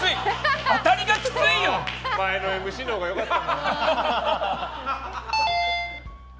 前のＭＣのほうが良かった。